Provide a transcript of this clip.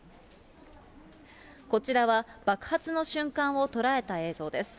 こちらは爆発の瞬間を捉えた映像です。